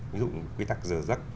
ví dụ nguy tắc giờ giấc